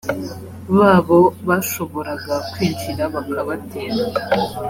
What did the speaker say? babo bashoboraga kwinjira bakabatera